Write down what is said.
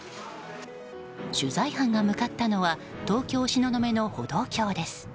取材班が向かったのは東京・東雲の歩道橋です。